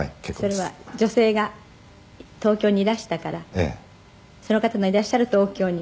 「それは女性が東京にいらしたからその方のいらっしゃる東京に」